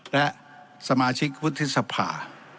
และสมาชิกพุทธศัพท์